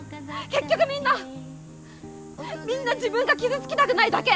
結局みんなみんな自分が傷つきたくないだけ。